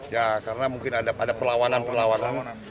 ya karena mungkin ada perlawanan perlawanan